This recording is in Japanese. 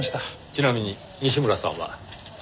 ちなみに西村さんは？